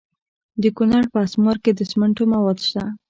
د کونړ په اسمار کې د سمنټو مواد شته.